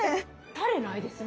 タレないですね。